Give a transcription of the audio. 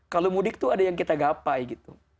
kalau mudik tuh ada yang kita gapai gitu